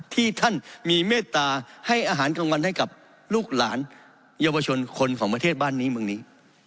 ที่ท่านมีเมตตาให้อาหารกลางวันให้กับลูกหลานเยาวชนคนของประเทศบ้านนี้เมืองนี้